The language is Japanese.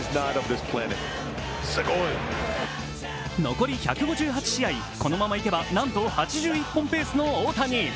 残り１５８試合、このままいけばなんと８１本ペースの大谷。